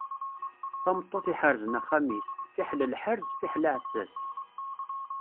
Tameṭṭut iḥerzen axxam-is, fiḥel lḥerz fiḥel aɛessas.